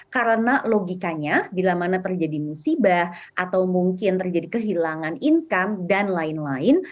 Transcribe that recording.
karena logikanya bila mana terjadi musibah atau mungkin terjadi kehilangan income dan lain lain